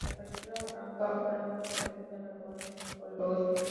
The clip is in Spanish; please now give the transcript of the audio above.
La fractura Barrancas Blancas delimita la loma por el oeste.